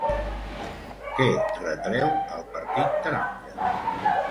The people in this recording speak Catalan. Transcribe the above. Què retreu al partit taronja?